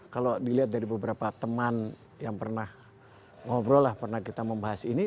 kalau dilihat dari beberapa teman yang pernah ngobrol lah pernah kita membahas ini